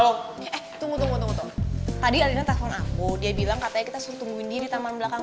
lo tunggu tunggu tadi ada telfon aku dia bilang katanya kita suruh tungguin diri taman belakang